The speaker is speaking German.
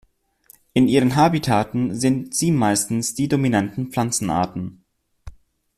In ihren Habitaten sind sie meistens die dominanten Pflanzenarten.